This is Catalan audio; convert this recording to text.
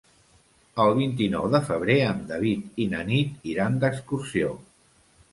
El vint-i-nou de febrer en David i na Nit iran d'excursió.